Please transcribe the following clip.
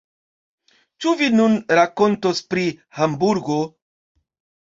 Ĉu vi nun rakontos pri Hamburgo?